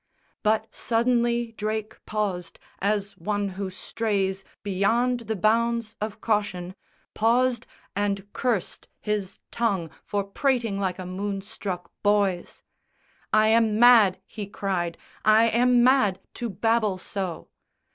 But suddenly Drake paused as one who strays Beyond the bounds of caution, paused and cursed His tongue for prating like a moon struck boy's. "I am mad," he cried, "I am mad to babble so!"